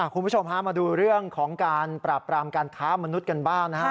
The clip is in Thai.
คุณผู้ชมฮะมาดูเรื่องของการปราบปรามการค้ามนุษย์กันบ้างนะฮะ